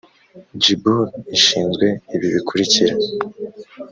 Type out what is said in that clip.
gbur ishinzwe ibi bikurikira